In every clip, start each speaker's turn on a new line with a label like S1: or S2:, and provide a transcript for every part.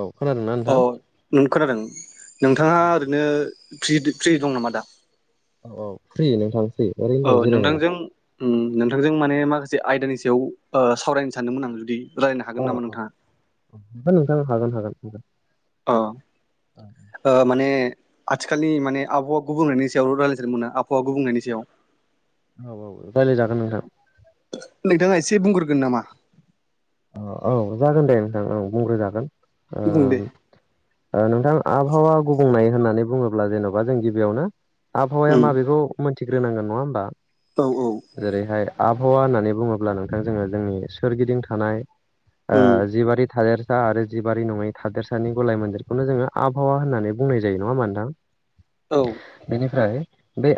S1: औ खोनादोंना नोंथां
S2: नों खोनादों नोंथाङा ओरैनो फ्रि दं नामा दा
S1: औ औ फ्रि नोंथां फ्रि ओरैनो
S2: औ
S1: दं जिरायनानै
S2: नोंथांजों उम नोंथांजों माने माखासे आयदानि सायाव सावरायनो सानदोंमोन आं जुदि रायनो हागोन नाम नोंथाङा
S1: नोंथां हागोन हागोन नोंथां
S2: अ माने आथिखालनि माने आबहावा गुबुंनायनि सायाव रायज्लायजनो मोनो आबहावा गुबुंनायनि सायाव
S1: औ औ औ रायज्लायजागोन नोंथां
S2: नोंथाङा एसे बुंग्रोगोन नामा
S1: औ जागोन दे नोंथां औ बुंग्रो जागोन
S2: बुं दे
S1: नोंथां आबहावा गुबुंनाय होननानै बुङोब्ला जेन'बा जों गिबियावनो आबहावाया
S2: उम
S1: माबेखौ मोनथिग्रोनांगोन नङा होमबा
S2: औ औ
S1: जेरैहाय आबहावा होननानै बुङोब्ला नोंथां जोङो जोंनि सोरगिदिं थानाय आ
S2: उम
S1: जि बादि थालेर सा आरो जिबारि नङै थादेरसानि गलाय मोनजिरखौनो जोङो आबहावा होननानै बुंनाय जायो नङा होमबा नोंथां
S2: औ
S1: बेनिफ्राय बे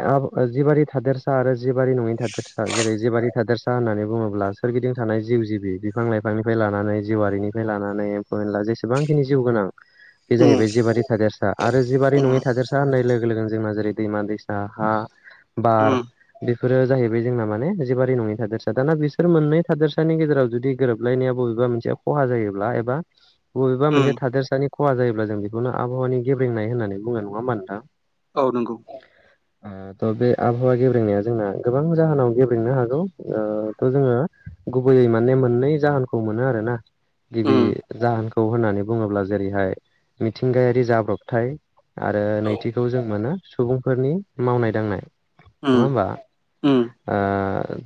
S1: जिबारि थादेरसा आरो जिबारि नङिनि थादेरसा जेरै जिबारि थादेरसा होननानै बुङोब्ला सोरगिदिं थानाय जिउ जिबि बिफां लाइफांनिफ्राय लानानै जिउआरिनिफ्राय लानानै एम्फौ एनला जेसेबांखिनि जिउ गोनां बे
S2: उम
S1: जाहैबाय जिबारि थादेरसा आरो जिबारि
S2: उम
S1: नङैि थादेरसा होननाय लोगो लोगोन जोंना जेरै दैमा दैसा हा
S2: उम
S1: बार बेफोरो जाहैबाय जोंना माने जेबारि नङि थादोरसा दाना बिसोर मोननै थादोरसानि गेजेराव जुदि गोरोबनाया मोनसे खहा जायो एबा बबा मोनसे
S2: उम
S1: थादेरसा खहा जायोब्ला जों बेखौनो आबहावानि गेबेंनाय होननानै बुङो नङा होमा नोंथां
S2: औ नंगौ
S1: त बे आबहावा गेब्रेनाया जोंना गोबां जाहोनाव गेब्रेनो हागौ थ' जोङो गुबैयै माने मोननै जाहोनखौ मोनो आरो ना
S2: उम
S1: गिबि जाहोनखौ खौ होननानै बुङोब्ला जेरैहाय मिथिंगायारि जाब्रबथाय आरो
S2: औ
S1: नैथिखौ जों मोनो सुबुंफोरनि मावनाय दांनाय नङा
S2: उम
S1: होमबा
S2: उम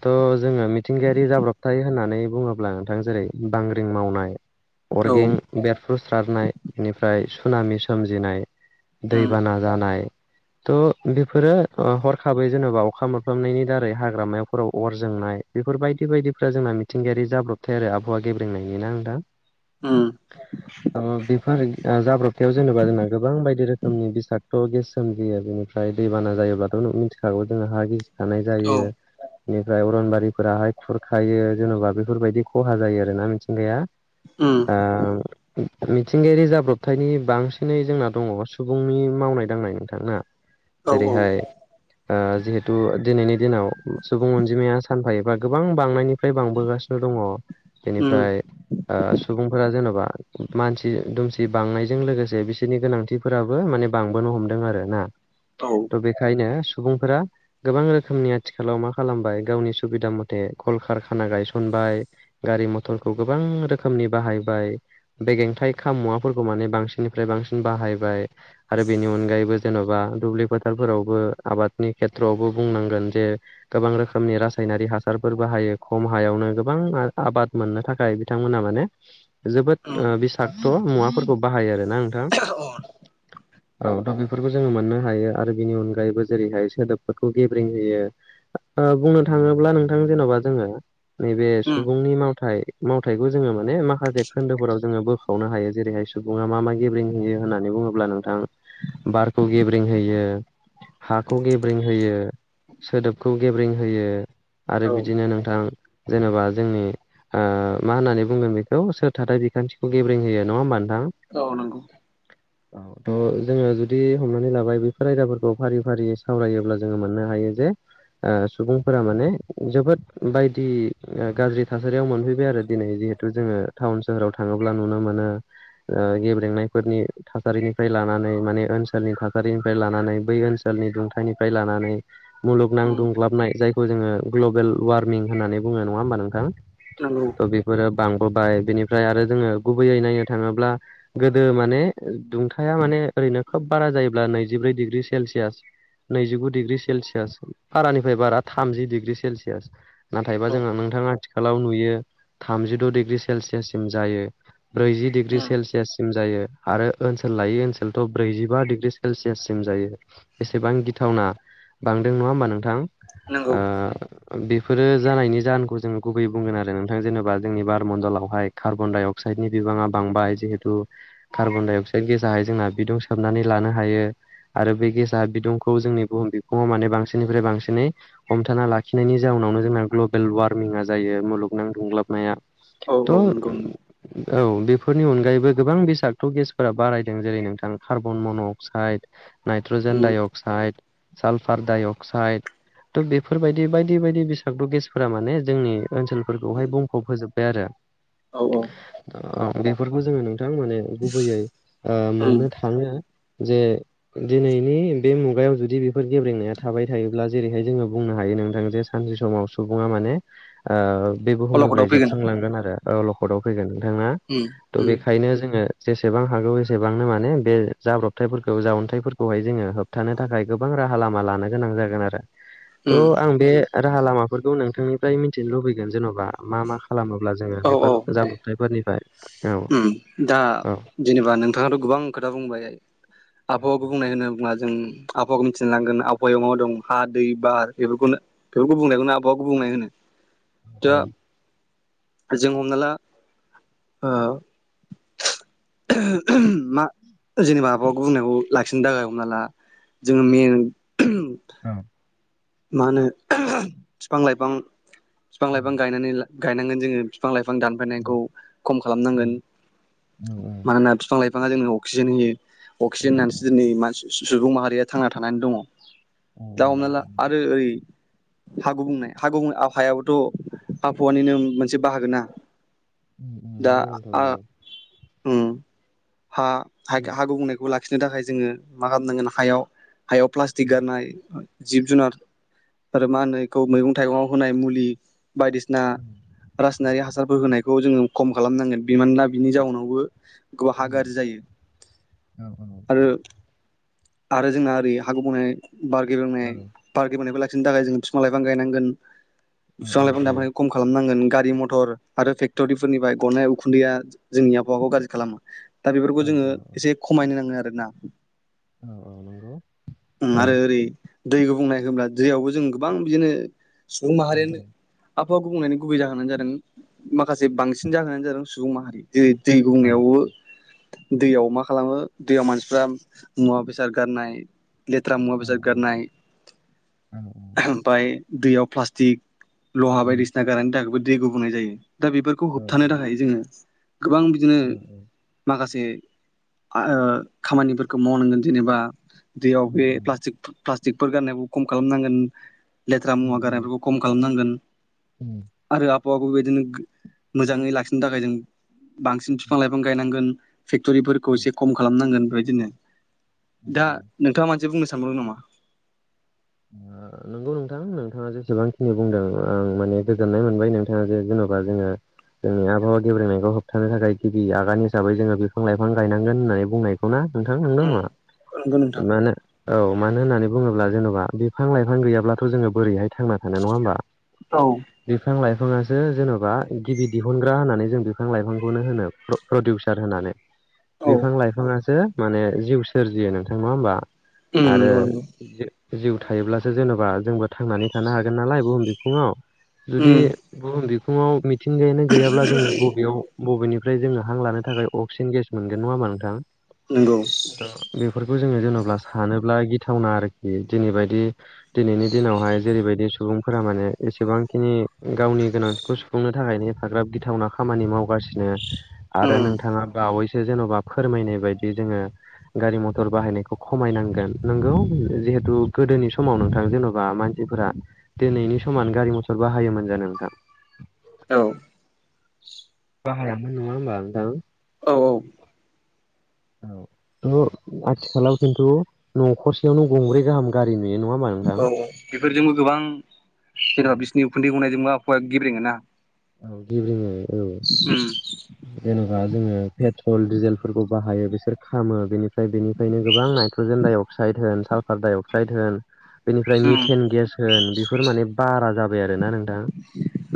S1: थ' जोङो मिथिंगायारि जाब्रबथाय होननानै बुङोब्ला बिथां जेरै बांग्रिं मावनाय
S2: औ
S1: अर्गें बेरफ्रुस्रारनाय बेनिफ्राय सुनामि सोमजिनाय
S2: उम
S1: दैबाना जानाय थ' बेफोरो ओ हरखाबै जेनेबा अखा मोनफामनायनि दारै हाग्रामायावफोराव अर जोंनाय बेफोर बायदि बायदिफ्रा जोंना मिथिंगायारि जाब्रबथाय आरो आबहावा गेब्रेंनायनिनो ना नोंथां।
S2: उम।
S1: ओ बेफोर आं जाब्रबथायाव जेनेबा जोंना गोबां बायदि रोखोमनि बिसादत' गेस सोमजियो बेनि फ्राय दैबाना जायोब्लाथ' न ओम मिथिखागौ जोङो हा गि थानाय
S2: औ
S1: जायो बेनिफ्राय अरनबारिफोराहाय खुरखायो जेन'बा बेफोरबायदि खहा जायो आरोना मिथिंगाया ओ
S2: ओम
S1: मिथिंगायारि जाब्रबथायनि बांसिनै जोंना दङ सुबुंनि मावनाय दांनाय नोंथां ना
S2: औ औ
S1: जेरैहाय ओ जिहेथु दिनैनि दिनाव सुबुं अनजिमाया सानफा एफा गोबां बांनायनिफ्राय बांबोगासिनो दङ।
S2: उम
S1: बेनिफ्राय ओ सुबुंफोरा जेन'बा मानसि दुमसि बांनायजों लोगोसे बिसोरनि गोनांथि फोराबो माने बांबोनो हमदों आरोना।
S2: औ।
S1: बेखायनो सुबुंफोरा गोबां रोखोमनि आथिखालाव मा खालामबाय गावनि सुबिदा मथे कलकार खाना गायसनबाय गारि मथरखौ गोबां रोखोमनि बाहायबाय बेगेंथाइ खामुवाफोरखौ माने बांसिननिफ्राय बांसिन बाहायबाय। आरो बेनि अनगायैबो जेन'बा दुब्लि फोथारफोरावबो आबादनि खेथ्रआवबो बुंनांगोन जे गोबां रोखोमनि रासायनारि हासारफोर बाहायो। खम हायावनो गोबां आबाद मोननो थाखाय बिथांमोना माने जोबोद
S2: उम
S1: ओ बि क्ट' मुवाफोरखौ बाहायो आरोना नोंथां।
S2: अन
S1: औ दा बेफोरखौ जोङो मोननो हायो आरो बिनि अनगायैबो जेरैहाय सोदोबफोरखौ गेब्रें होयो। ओ बुंनो थाङोब्ला नोंथां जेन'बा जोङो नैबे
S2: उम
S1: सुबुंनि मावथाय मावथाइखौ जोङो माने माखासे खोन्दोफोराव जोङो बोखावनो हायो जेरैहाय सुबुङा मा मा गेब्रें होयो होननानै बुङोब्ला नों थां बारखौ गेब्रें होयो। हाखौ गेब्रिं होयो, सोदोबखौ गेब्रें होयो। आरो
S2: औ
S1: बिदिनो नोंथां जेनेबा जोंनि ओ मा होननानै बुंदों बेखौ सोर थाथाय बिखान्थिखौ गेब्रें होयो नङा होमबा नोंथां।
S2: औ नंगौ।
S1: औ थ' जोङो जुदि हमनानै लाबाय बेफोर आयदाफोरखौ फारि फारि सावरायोब्ला जोङो मोननो हायो जे ओ सुबुंफोरा माने जोबोद बायदि ओ गाज्रि थासारियाव मोनफैबाय आरो दिनै जिहेतु जोङो टाउन सोहोराव थाङोब्ला नुनो मोनो। ओ गेब्रेंनायफोरनि थासारिनिफ्राय लानानै माने ओनसोलनि थासारिनिफ्राय लानानै बै ओन सोलनि दुंथाइनिफ्राय लानानै
S2: उम
S1: मुलुगनां दुंग्लाबनाय जायखौ जोङो ग्लबेल वार्मिं होननानै बुङो नङा होमबा नोंथां
S2: नोंगौ।
S1: थ' बेफोरो बांबोबाय। बेनिफ्राय आरो जोङो गुबैयै नायनो थाङोब्ला गोदो माने दुंथाया माने ओरैनो खोब बारा जायोब्ला नैजिब्रै डिग्रि सेलसियास नैजिगु डिग्रि सेलसियास बारानिफ्राय बारा थामजि डिग्रि सेलसियास नाथायबा
S2: औ
S1: जोंहा नोंथाङा आथिखालाव नुयो थामजिद' डिग्रि सेलसियाससिम जायो। ब्रैजि डिग्रि
S2: उम
S1: सेलसियाससिम। जायो आरो ओनसोल लायै ओनसोलथ' ब्रैजिबा डिग्रि सेलसियाससिम जायो। दा बेसेबां गिथावना बांदों नङा होमबा नोंथां।
S2: नोंगौ।
S1: ओ ओ बेफोरो जानायनि जाहोनखौ जोङो गुबै बुंगोन आरो नोंथां जेनेबा जोंनि बारमणडलावहाय कार्बन डाइ अक्साइडनि बिबाङा बांबाय जिहेथु कार्बन दडाइ अक्साइद गेसाहाय जोंना बिदुं सोबनानै लानो हायो आरो बे गेसा बिदुंखौ जोंनि बुहुम बिफङाव माने बांसिननिफ्राय बांसिनै हमथाना लाखिनायनि जाउनावनो जोंना ग्लबेल वार्मिंआ जायो मुलुगनां दुं्लाबनाया
S2: औ औ
S1: थ'
S2: नंगौ नंगौ
S1: औ बेफोरनि अनगायैबो गोबां बिसागत' गेसफोरा बारायदों जेरै नोंथां कार्बन मन' oxide nitrogen
S2: um
S1: dioxide sulphur -dioxide थ' बेफोरबायदि बायदि बायदि बिसागत' गेसफोरा माने जोंनि ओनसोलफोरखौहाय बुंफब होजोब्बाय आरो।
S2: औ औ
S1: बेफोरखौ जोङो नोंथां माने गुबैयै
S2: उम
S1: मोननो जे दिनैनि बे मुगायाव जुदि बेफोर गेब्रेंनाया थाबाय थायोब्ला जेरैहाय जोङो बुंनो हायो नोंथां जे सानसे समाव सुबुङा माने बे बुहुमनिफ्राय
S2: अलखदाव फैगोन
S1: जोबस्रलांगोन आरोलखदाव फैगोन नोंथाङा
S2: उम
S1: थ'
S2: उम
S1: बेखायनो जोङो जेसेबां हागौ एसेबांनो माने बे जाब्रबथायफोरखौ जावन्थायाइफोरखौहाय जोङो होबथानो थाखाय गोबां राहा लामा लानो गोनां जागोन आरो
S2: उम
S1: थ' आं बे राहा लामाफोरखौ नोंथांनिफ्राय मिथिनो लुबैगोन जेन'बा मा मा खालामोब्ला जोङो
S2: औ औ
S1: बेफोर
S2: दे
S1: जाब्रबथायफोरनिफ्राय औ
S2: उम दा
S1: औ
S2: जेनेबा नोंथाङाथ' गोबां खोथा बुंबाय आबहावाखौ बुंनाय होनो बुोब्ला जों आबहावाखौ मिथिनो लांगोन आबहावायाव मा दं हा दै बार बेफोरखौनो बेफोर गुबुंनायखौनो आबहावा गुबुंनाय होनो दा जों हमना ला मा जेनेबा माबा बुंनायखौ लाखिनो थाखायमना ला जोङो मेेन
S1: औ
S2: मा होनो बिफां लाइफां बिफां लाइफांनानै गायनांगोन जोङो बिफां लाइफां दानफायनायखौ खम खालामनांगोन
S1: औ
S2: मानोना बिफां लाइफांां बिफाङा जोंनो अक्सिजेन होयो अक्सिजेन होननानैसो दिनै मानसि सुबुं माहारिया थांना थानानै दङ दा हमना ला आरो ओरै हागु बुंनाय हागौ आहायाबोथ' आबहावानिनो मोनसे बाहागो ना
S1: उ
S2: हा गुबनाय ला लाखिनो थाखाय जोङो मा खालामनांगोन हायाव हायाव प्लास्टिक गारनाय जिब जुनार आरो मा होनो बेखौ मैगं थाइगंाव होनाय मुलि बायदिसिना रासायनारि हासारफोर होनायखौ जोङो खम खालामनांगोन बिमानोना बिनि जाउनावबो गोब ह गाज्रि जायो आरो आरो जोंना ओरै हाग बनाय बारगलोंनाय पार्कि मोननायबो लाखिनो थाखाय जों बिफां लाइफां गायनांगोन
S1: औ
S2: बिफां लाइफां दानखौ खम खालामनांगोन गारि मथर आरो फेक्ट'रिफोरनिफ्राय गननाय उखुन्दैया जोंनि आबहावाखौ गाज्रि खालामो दा बेफोरखौ
S1: औ
S2: जोङो एसे खमायनो नाङो आरो ना
S1: औ औ
S2: आरो ओरै दै गुबुंनाय होमब्ला दैयावबो जों गोबां बिदिनो सुबं माहारीयानो आबा बुंनायनि गुबै जाहोनानो जादों माखासे बांसिन जाहोनानो जादों सुबुं माहारि दै दै गंनायावबो दैयाव मा खालामो दैयाव मानसिफ्रा मुवा बेसाद गारनाय लेथ्रा मुवा बेसाद गारनाय ओफाय दैयाव प्लास्टिक लहा बायदिसिना गारनायनि थाखायबो दै गुबुंनाय जायो, दा बेफोरखौ होबथानो थाखाय जोङो गोबां बिदिनो माखासे खामानिफोरखौ मावनांगोन जेनेबा दैयाव बे प्लास्टिकफोर गारनायबो खम खालामनांगोन लेथ्रा मुवा गारनायफोरखौ खम खालामनांगोन।
S1: [inaudible]
S2: आरो आबहावाखौ बेदिनो मोजाङै लाखिनो थाखाय जों बांसिन बिफां लाइफां गायनांगोन फेक्ट'रिफोरखौ एसे खम खालामनांगोन बेबायदिनो दा मानसे बुंनो सानदों नामा?
S1: [inaudible] नंगौ नोंथां नोंथाङा जेसेबांखिनि बुंदों आं माने गोजोननाय मोनबाय नोंथाङा जे जेन'बा जोङो जोंनि आबहावा गेब्रेनायखौ होबथानो थाखाय गिबि आगान हिसाबै जोङो बिफां लाइफां गायनांगोन होननानै बुंनाय [unintelligible] नङा मानो
S2: नंगौ नोंथां
S1: औ मानो होननानै बुङोब्ला जेन'बा बिफां लाइफां गैयाब्लाथ' जोङो बोरैहाय थांना थानो नङा होमबा?
S2: औ।
S1: बिफां लाइफाङासो जेन'बा गिबि दिहुनग्रा होननानै जों बिफां लाइफांखौनो होनो। प्रडिउसार होननानै बिफां लाइफाङासो माने जिउ सोरजियो नोंथां नंआ होमबा?
S2: उम
S1: आरो
S2: नंगौ नंगौ
S1: जिउ थायोब्लासो जेन'बा जोंबो थांनानै थानो हागोन नालाय बुहुम बिखुङाव
S2: उम
S1: जुदि बुहुम बिफङाव मिथिंगायानो गैयाब्ला जों बबेयाव बबेनिफ्राय जोङो हां लानो थाखाय अक्सिजेन गेस मोनगोन नङा हामा नोंथां।
S2: नंगौ।
S1: 'बेफोरखौ जोङो जेन'बा सानोब्ला गिथावना आरोखि जेनैबायदि दिनैनि दिनावहाय जेरैबायदि सुबुंफोरा माने एसेबांखिनि गावनि गोनांथिखौ सुफुंनो थाखाय नफाग्राब गिथावना खामानि मावगासिनो आरो
S2: उम
S1: नोंथाङा बावैसो जेन'बा फोरमायनाय बायदि जोङो गारि मथर बाहायनायखौ खमायनांगोन नोंगौे थ' गोदोनि समाव नोंथां जेन'बा मानसिफोरा दिनैनि समान गारि मथर बाहायोमोन जानो नोंथां?
S2: औ।
S1: [unintelligible]
S2: औ औ।
S1: औ आथिखालाव खिन्थु न'खरसेयावनो गंब्रै गाहाम गारि नुयो नङा। होमबा
S2: औ
S1: नोंथां
S2: बेफोरजोंबो गोबां जेन'बा बिसिनि उखुन्दै गनायजोंबो आबहावाया गेब्रेङ ना
S1: औ गेब्रेङो औ
S2: उम ओ।
S1: जेन'बा जोङो पेट्रल डिजेलफोरखौ बाहायो बिसोर खामो बेनिफ्राय बेनि आवनो गोबां नाइट्र'जेन डाइ अक्साइड होन साल्फार डाइ अक्साइड होन बेनिफ्राय
S2: उम
S1: मिथेन गेस होन बेफोर माने बारा जाबाय आरोना नोंथां।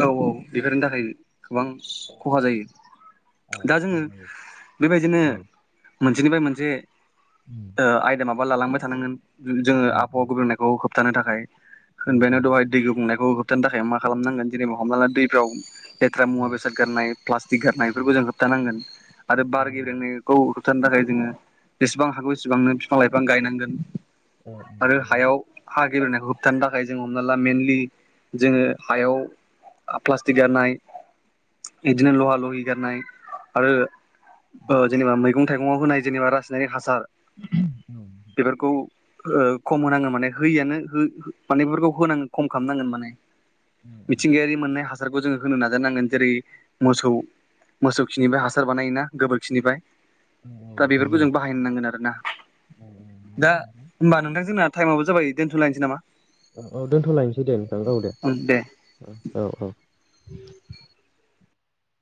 S2: औ औ बेफोरनि थाखाय गोबां खहा जायो। दा जोङो बेबायदिनो मोनसेनिफ्राय मोनसे
S1: [unintelligible]
S2: ओ आयदा माबा लालांबाय थानांगोन जोङो आबहावा गुब्रनायखौ होबथानो थाखाय होनबायानो दहाय दै गुबुंनायखौ होबथानो थाखाय मा खालामनांगोन जेनेबा हमनानै दैफ्राव लेथ्रा मुवा बेसाद गारनाय प्लास्टिक गारनाय बेफोरखौ जों होबथानांगोन। आरो बार गेबेंनो खौ होबथानो थाखाय जोङो जेसेबां हागौ एसेबांनो बिफां लाइफां गायनांगोन। आरो हायाव हा गेलेनायखौ होबथानो थाखाय जों हमना ला मेनलि जोङो हायाव प्लास्टिक गारनाय इदिनो लहा लह ह आरो जेनेबा मैगं थाइगंआव होनाय जेनेबा रासायनिक हासार
S1: औ।
S2: बेफोरखौ ओ खम होनाङो माने होयोआनो हो माने बेफोरखौ होनां खम खामनांगोन माने मिथिंगायारि मोननाय हासारखौ जोङो होनो नाजानांगोन जेरै मोसौ मोसौ खिनिफाय हासार बानायोना गोबोरखिनिफाय। दा बेफोरखौ जों बाहायनो नांगोन आरोना दा होमबा नोंथां जोंना थाइमआबो जाबाय दोनथ'लायनोसै नामा
S1: औ-औ दोनथ'लायनोसै दे नोंथां औ दे औ-औ-औ।